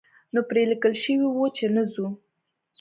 نو پرې لیکل شوي وو چې نه ځو.